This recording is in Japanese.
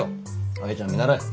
愛ちゃんを見習え。